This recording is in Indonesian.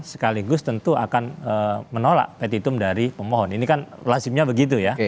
sekaligus tentu akan menolak petitum dari pemohon ini kan lazimnya begitu ya